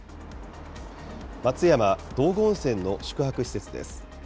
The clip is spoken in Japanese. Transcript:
松山・道後温泉の宿泊施設です。